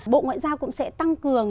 bộ ngoại giao cũng sẽ tăng cường